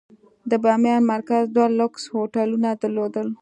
د بامیان مرکز دوه لوکس هوټلونه درلودل.